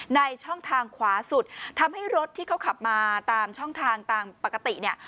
ในช่องทางขวาสุดทำให้รถที่เขาขับมาตามช่องทางตามปกติเนี่ย